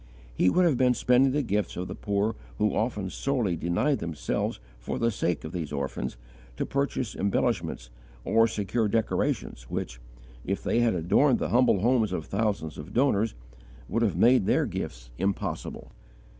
He would have been spending the gifts of the poor who often sorely denied themselves for the sake of these orphans, to purchase embellishments or secure decorations which, if they had adorned the humble homes of thousands of donors, would have made their gifts impossible.